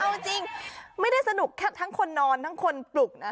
เอาจริงไม่ได้สนุกแค่ทั้งคนนอนทั้งคนปลุกนะ